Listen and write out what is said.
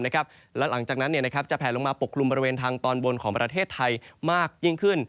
และหลังจากนั้นจะแผลลงมาปกคลุมบริเวณทางตอนบนของประเทศไทยมากยิ่งขึ้น